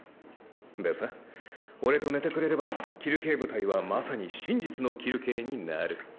でさ俺と寝てくれればキルケー部隊はまさに真実のキルケーになる。